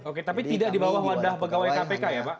oke tapi tidak di bawah wadah pegawai kpk ya pak